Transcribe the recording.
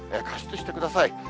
加湿してください。